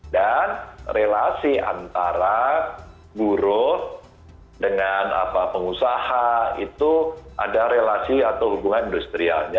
dan relasi antara buruh dengan apa pengusaha itu ada relasi atau hubungan industrialnya